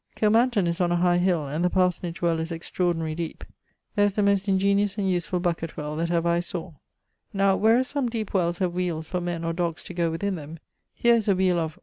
Kilmanton is on a high hill, and the parsonage well is extraordinary deepe. There is the most ingeniose and usefull buckett well, that ever I sawe. Now, whereas some deepe wells have wheeles for men or doggs to go within them, here is a wheele of